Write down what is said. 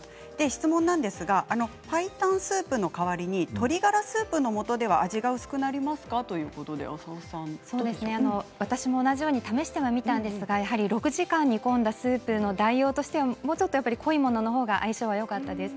質問なんですがパイタンスープの代わりに鶏ガラスープのもとでは私も同じように試してみたんですがやはり６時間煮込んだスープの代用としてはもうちょっと濃いものの方が相性がよかったです。